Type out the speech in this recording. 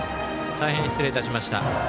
大変失礼いたしました。